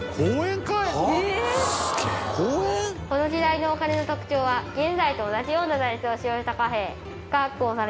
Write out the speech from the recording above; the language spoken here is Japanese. この時代のお金の特徴は現在と同じような材質を使用した貨幣が発行されていた。